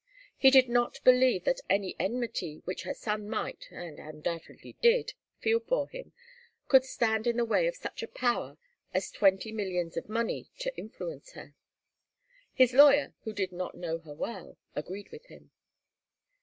He did not believe that any enmity which her son might, and undoubtedly did, feel for him, could stand in the way of such a power as twenty millions of money to influence her. His lawyer, who did not know her well, agreed with him.